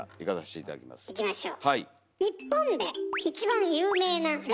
いきましょう。